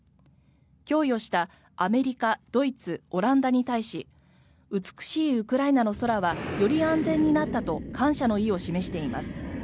供与したアメリカ、ドイツオランダに対し美しいウクライナの空はより安全になったと感謝の意を示しています。